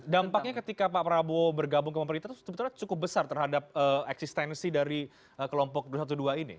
dampaknya ketika pak prabowo bergabung ke pemerintah itu sebetulnya cukup besar terhadap eksistensi dari kelompok dua ratus dua belas ini